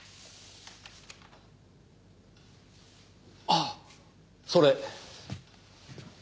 ああそれ。